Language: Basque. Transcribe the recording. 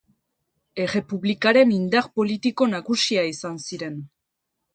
Errepublikaren indar politiko nagusia izan ziren.